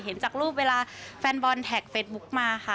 จากรูปเวลาแฟนบอลแท็กเฟซบุ๊กมาค่ะ